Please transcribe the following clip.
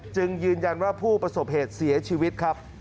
จึงยืนยันว่าผู้ประสบเหตุเสียชีวิตครับ